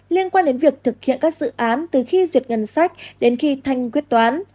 liên quan đến việc thực hiện các dự án từ khi duyệt ngân sách đến khi thanh quyết toán